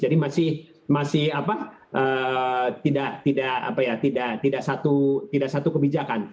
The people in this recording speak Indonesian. jadi masih tidak satu kebijakan